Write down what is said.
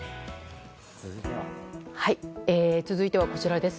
続いては、こちらです。